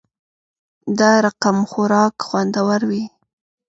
دا رقمخوراک خوندور وی